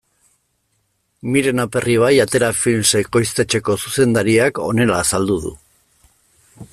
Miren Aperribai Atera Films ekoiztetxeko zuzendariak honela azaldu du.